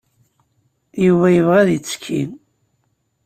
Yuba yebɣa ad yettekki.